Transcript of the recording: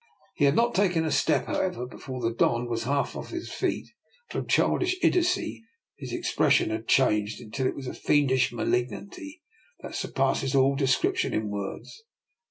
He had not taken a step, how ever, before the Don was half on his feet. From childish idiocy his expression had changed until it was a fiendish malignity that surpasses all description in words.